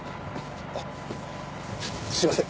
あっすいません